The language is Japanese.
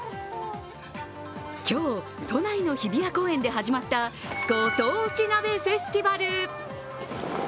今日、都内の日比谷公園で始まったご当地鍋フェスティバル。